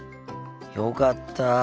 よかった。